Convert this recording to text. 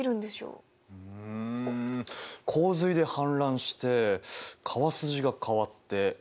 うん洪水で氾濫して川筋が変わって。